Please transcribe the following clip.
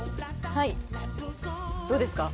はいどうですか？